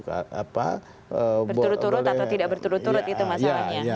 berturut turut atau tidak berturut turut itu masalahnya